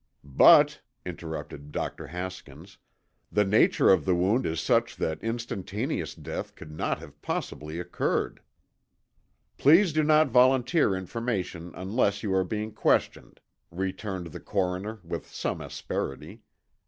"But," interrupted Dr. Haskins, "the nature of the wound is such that instantaneous death could not have possibly occurred." "Please do not volunteer information unless you are being questioned," returned the coroner with some asperity.